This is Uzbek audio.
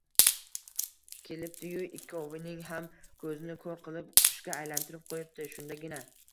kelibdi-yu, ikkovining ham ko'zini ko'r qilib, qushga aylantirib qo'yibdi. Shundagina